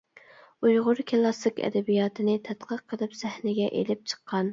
ئۇيغۇر كىلاسسىك ئەدەبىياتىنى تەتقىق قىلىپ سەھنىگە ئېلىپ چىققان.